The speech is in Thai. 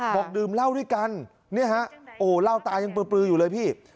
บอกดื่มเหล้าด้วยกันเนี่ยฮะโอ้เหล้าตายังปลืออยู่เลยพี่